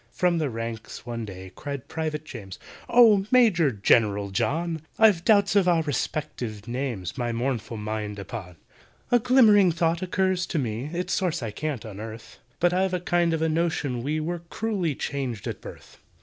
From the ranks, one day, cried PRIVATE JAMES, "Oh! MAJOR GENERAL JOHN, I've doubts of our respective names, My mournful mind upon. "A glimmering thought occurs to me (Its source I can't unearth), But I've a kind of a notion we Were cruelly changed at birth.